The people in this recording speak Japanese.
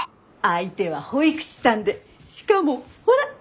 相手は保育士さんでしかもほら！